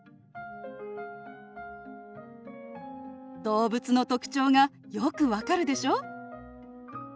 動物の特徴がよく分かるでしょ？